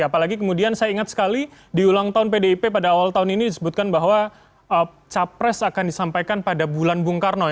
apalagi kemudian saya ingat sekali di ulang tahun pdip pada awal tahun ini disebutkan bahwa capres akan disampaikan pada bulan bung karno ya